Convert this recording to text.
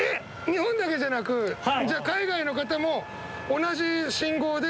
日本だけじゃなくじゃあ海外の方も同じ信号で。